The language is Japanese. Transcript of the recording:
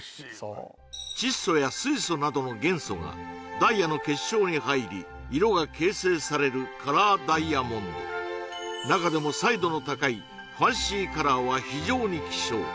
窒素や水素などの元素がダイヤの結晶に入り色が形成されるカラーダイヤモンド中でも彩度の高いファンシーカラーは非常に希少